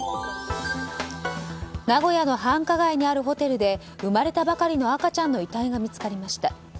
名古屋の繁華街にあるホテルで生まれたばかりの赤ちゃんの遺体が見つかりました。